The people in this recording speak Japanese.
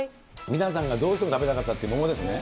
皆さんがどうしても食べたかったという桃ですね。